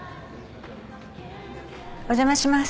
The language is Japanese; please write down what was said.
お邪魔します。